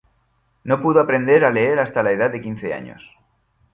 No pudo aprender a leer hasta la edad de quince años.